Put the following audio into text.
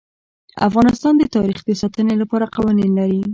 افغانستان د تاریخ د ساتنې لپاره قوانین لري.